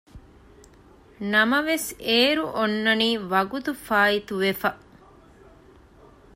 ނަމަވެސް އޭރު އޮންނަނީ ވަގުތުފާއިތުވެފަ